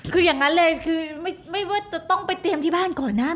คืออย่างนั้นเลยคือไม่ว่าจะต้องไปเตรียมที่บ้านก่อนนะ